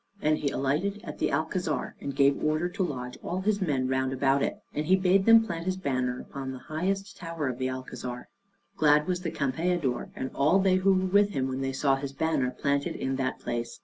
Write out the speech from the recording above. And he alighted at the Alcazar, and gave order to lodge all his men round about it; and he bade them plant his banner upon the highest tower of the Alcazar. Glad was the Campeador, and all they who were with him, when they saw his banner planted in that place.